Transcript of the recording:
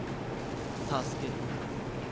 助ける？